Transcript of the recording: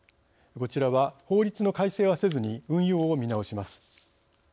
こちらは法律の改正はせずに運用を見直します。